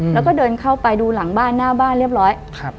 แล้วก็เดินเข้าไปดูหลังบ้านหน้าบ้านเรียบร้อย